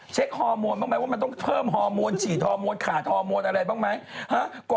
ฮอร์โมนบ้างไหมว่ามันต้องเพิ่มฮอร์โมนฉี่ฮอร์โมนขาฮอร์โมนอะไรบ้างไหม